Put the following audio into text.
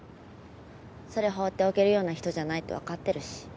それ放っておけるような人じゃないって分かってるし。